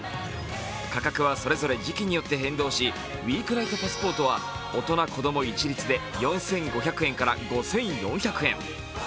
価格はそれぞれ時期によって変動し、ウィークナイトパスポートは大人・子供一律で４５００円から５４００円。